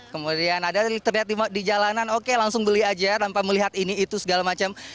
kemudian ada terlihat di jalanan oke langsung beli aja tanpa melihat ini itu segala macam